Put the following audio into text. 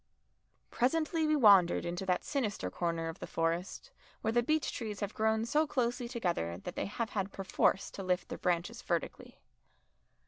Presently we wandered into that sinister corner of the Forest where the beech trees have grown so closely together that they have had perforce to lift their branches vertically.